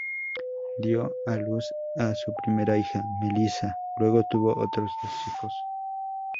Dio a luz a su primera hija, Melissa, luego tuvo otros dos hijos.